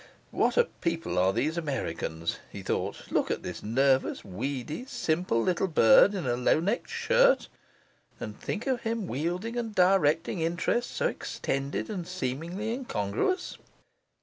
'What a people are these Americans!' he thought. 'Look at this nervous, weedy, simple little bird in a lownecked shirt, and think of him wielding and directing interests so extended and seemingly incongruous!